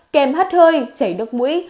kèm hắt hơi chảy nước mũi